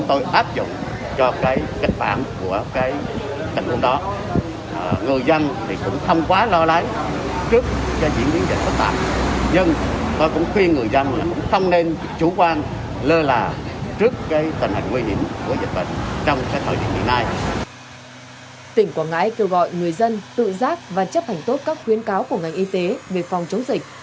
tỉnh quảng ngãi kêu gọi người dân tự giác và chấp hành tốt các khuyến cáo của ngành y tế về phòng chống dịch